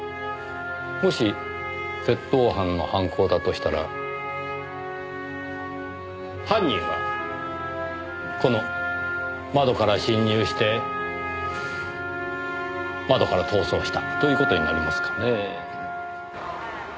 もし窃盗犯の犯行だとしたら犯人はこの窓から侵入して窓から逃走したという事になりますかねぇ。